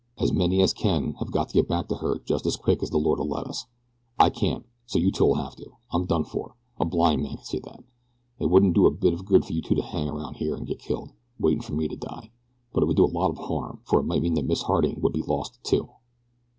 As many as can have got to get back to her just as quick as the Lord'll let us. I can't, so you two'll have to. I'm done for a blind man could see that. It wouldn't do a bit of good for you two to hang around here and get killed, waitin' for me to die; but it would do a lot of harm, for it might mean that Miss Harding would be lost too."